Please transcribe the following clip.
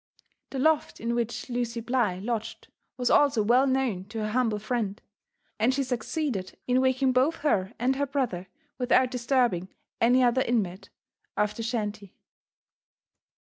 The loft in which Lucy Bligh lodged was also well known to her humble friend, and she succeeded in waking both her and her brother without disturbing any other inmate of the shanty.